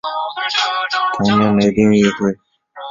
同年雷丁议会将原先的文理学院并入雷丁学院。